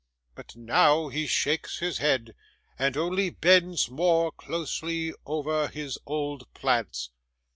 but now he shakes his head, and only bends more closely over his old plants.